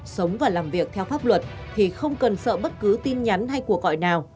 sống và làm việc theo pháp luật thì không cần sợ bất cứ tin nhắn hay cuộc gọi nào